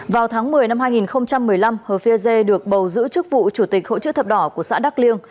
vào tháng một mươi năm hai nghìn một mươi năm hờ phi dê được bầu giữ chức vụ chủ tịch hội chữ thập đỏ của xã đắk liêng